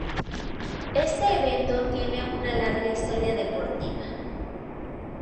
Este evento tiene una larga historia deportiva.